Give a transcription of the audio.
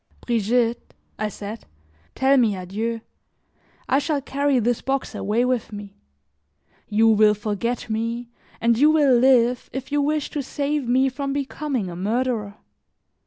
"Brigitte," I said, "tell me adieu. I shall carry this box away with me; you will forget me, and you will live if you wish to save me from becoming a murderer.